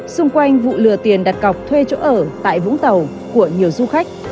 xung quanh vụ lừa tiền đặt cọc thuê chỗ ở tại vũng tàu của nhiều du khách